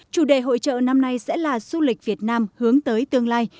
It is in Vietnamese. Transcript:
chủ đề hội trợ năm nay sẽ là du lịch việt nam hướng tới tương lai